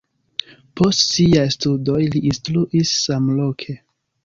Post siaj studoj li instruis samloke.